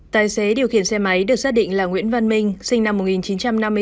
tài xế điều khiển xe máy được xác định là nguyễn văn minh sinh năm một nghìn chín trăm năm mươi bốn